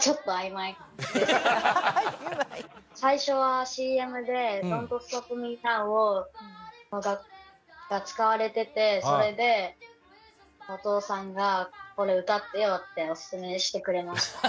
最初はＣＭで「Ｄｏｎ’ｔＳｔｏｐＭｅＮｏｗ」が使われててそれでお父さんがこれ歌ってよってオススメしてくれました。